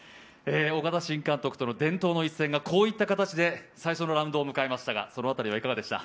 岡田新監督との伝統の一戦がこういった形で最初のラウンドを迎えましたが、その辺りはいかがでしたか？